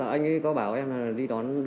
anh ấy có bảo em đi đón